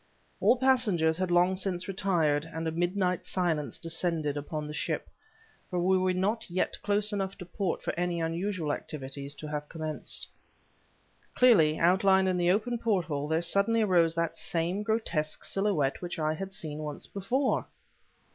All passengers had long since retired, and a midnight silence descended upon the ship, for we were not yet close enough to port for any unusual activities to have commenced. Clearly outlined in the open porthole there suddenly arose that same grotesque silhouette which I had seen once before.